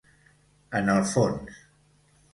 En el fons.